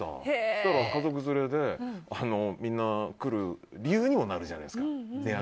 そしたら家族連れでみんな来る理由にもなるじゃないですか。